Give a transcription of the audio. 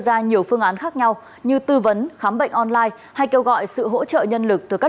ra nhiều phương án khác nhau như tư vấn khám bệnh online hay kêu gọi sự hỗ trợ nhân lực từ các